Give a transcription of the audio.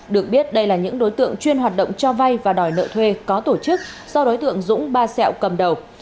được biết đây là những đối tượng chuyên hoạt động cho vay và đòi nợ thuê có tổ chức do đối tượng dũng ba xẹo cầm đầu